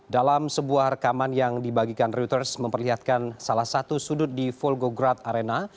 dalam sebuah rekaman yang dibagikan reuters memperlihatkan salah satu sudut di volgograd arena